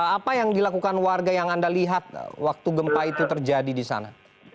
apa yang dilakukan warga yang anda lihat waktu gempa itu terjadi di sana